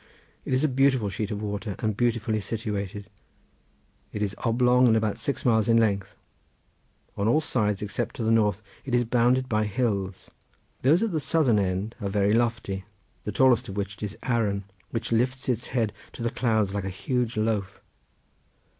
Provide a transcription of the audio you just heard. It is a beautiful sheet of water, and beautifully situated. It is oblong and about six miles in length. On all sides, except to the north, it is bounded by hills. Those at the southern end are very lofty; the tallest of which is Arran, which lifts its head to the clouds like a huge loaf.